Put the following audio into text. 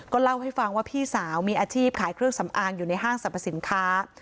เล่าให้ฟังว่าพี่สาวมีอาชีพขายเครื่องสำอางอยู่ในห้างสรรพสินค้า